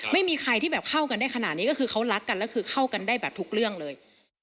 ไม่มีใครที่แบบเข้ากันได้ขนาดนี้ก็คือเขารักกันแล้วคือเข้ากันได้แบบทุกเรื่องเลย